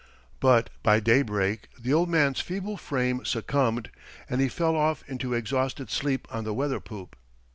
But by daybreak the old man's feeble frame succumbed, and he fell off into exhausted sleep on the weather poop.